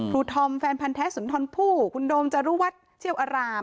ครูทอมแฟนภันร์แท้สุนทรภูคุณโดมจรุวัตรเชี่ยวอราม